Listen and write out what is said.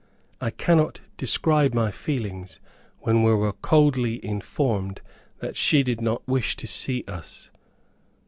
I cannot describe my feelings when we were coldly informed that she did not wish to see us.